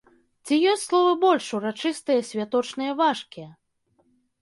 Ці ёсць словы больш урачыстыя, святочныя, важкія?